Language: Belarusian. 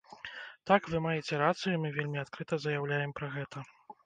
Так, вы маеце рацыю, мы вельмі адкрыта заяўляем пра гэта.